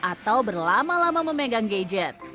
atau berlama lama memegang gadget